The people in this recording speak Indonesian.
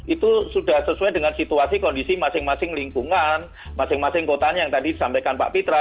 itu sudah sesuai dengan situasi kondisi masing masing lingkungan masing masing kotanya yang tadi disampaikan pak pitra